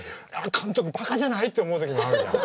「監督バカじゃない？」って思う時もあるじゃん。